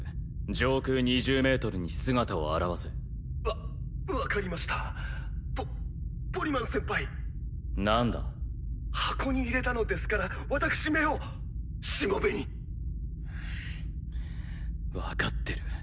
上空２０メートルに姿を現せわ分かりましたポポリマン先輩何だ箱に入れたのですから私めをしもべに分かってる